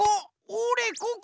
おれここ！